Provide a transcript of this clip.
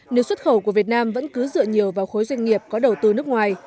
nếu xuất khẩu của việt nam vẫn cứ dựa nhiều vào khối doanh nghiệp có đầu tư nước ngoài